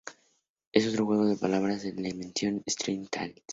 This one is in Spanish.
Es otro juego de palabras del ya mencionado Strange Tales.